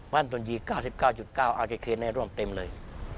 บ้านตนยี๙๙๙อเชษฐ์นั้นร่วมเต็มเลย